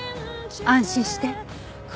安心して。